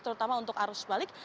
terutama untuk arus balik